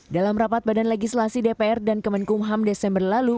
dalam rapat badan legislasi dpr dan kemenkum ham desember lalu